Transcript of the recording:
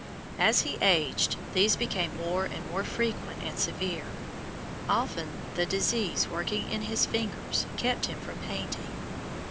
As he aged, these became more and more frequent and severe. Often the disease, working in his fingers, kept him from painting.